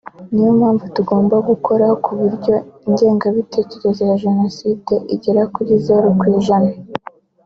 niyo mpamvu tugomba gukora ku buryo ingengabitekerezo ya Jenoside igera kuri zeru ku ijana